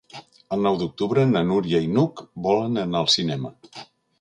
El nou d'octubre na Núria i n'Hug volen anar al cinema.